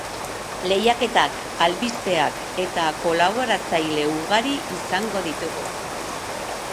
Lehiaketak, albisteak eta kolaboratzaile ugari izango ditugu.